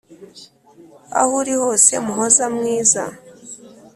aho uri hose muhoza mwiza,